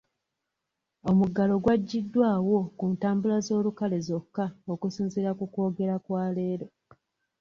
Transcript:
Omuggalo gwagiddwawo ku ntambula z'olukale zokka okusinziira ku kwogera kwa leero.